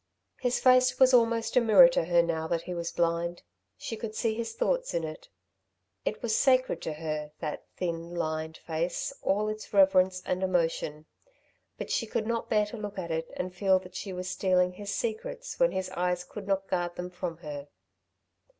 His face was almost a mirror to her now that he was blind. She could see his thoughts in it. It was sacred to her, that thin, lined face, all its reverence and emotion; but she could not bear to look at it and feel that she was stealing his secrets when his eyes could not guard them from her.